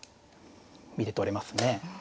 見てとれますね。